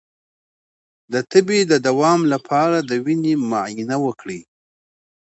د تبې د دوام لپاره د وینې معاینه وکړئ